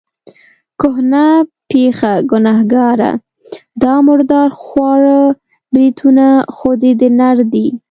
کهنه پېخه، ګنهګاره، دا مردار خواره بریتونه خو دې د نر دي.